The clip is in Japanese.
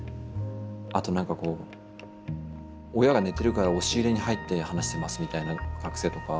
あとなんかこう親が寝てるから押し入れに入って話してますみたいな学生とか。